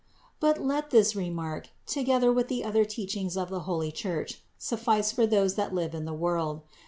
But let this re mark, together with the other teachings of the holy church, suffice for those that live in the world.